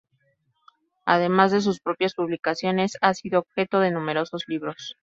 Además de sus propias publicaciones, ha sido objeto de numerosos libros.